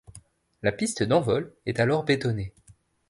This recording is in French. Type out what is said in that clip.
La piste d'envol est alors bétonnée.